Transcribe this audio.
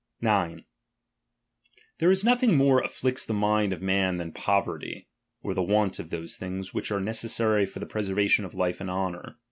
DOMINION. 159 ', There is nothing more afflicts the mind of chap.xii. man than poverty, or the want of those things ''' ■which are necessary for the preservation of life i»i"fm<.Mj , and hononr.